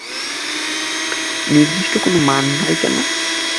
নির্দিষ্ট কোনো মান নয় কেন?